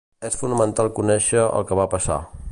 És fonamental conèixer el que va passar.